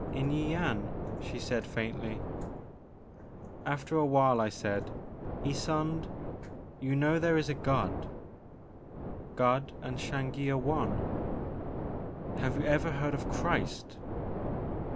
'' In Yian," she said faintly. After a while I said, Ysonde, you know there is a God?" God and Xangi are one." *' Have you ever heard of Christ